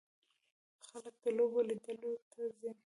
خلک د لوبو لیدلو ته ځي.